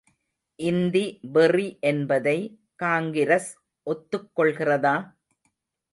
இந்தி வெறி என்பதை, காங்கிரஸ் ஒத்துக் கொள்கிறதா?